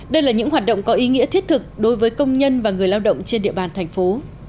đây là những hoạt động có ý nghĩa thiết thực đối với công nhân và người lao động trên địa bàn thành phố